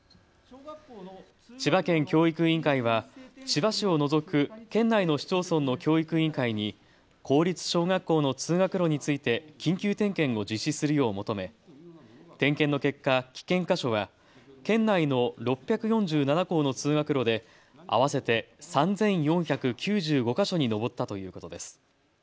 千葉県教育委員会は千葉市を除く県内の市町村の教育委員会に公立小学校の通学路について緊急点検を実施するよう求め点検の結果、危険箇所は県内の６４７校の通学路で合わせて３４９５か所に上ったということです。